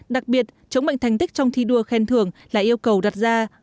đặc biệt chống bệnh thành tích trong thi đua khen thưởng là yêu cầu đặt ra